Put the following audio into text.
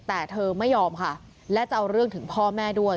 แต่เธอไม่ยอมค่ะและจะเอาเรื่องถึงพ่อแม่ด้วย